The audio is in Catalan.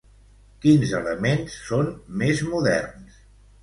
Quins elements són més moderns?